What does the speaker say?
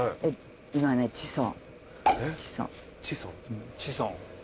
今ねチソン。